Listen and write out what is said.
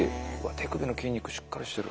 手首の筋肉しっかりしてる。